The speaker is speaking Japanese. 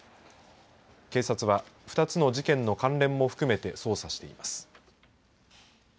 警察は、２つの事件の関連も含めて捜査しています。